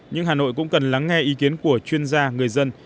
nhưng hà nội cũng cần lắng nghe ý kiến của chuyên gia người dân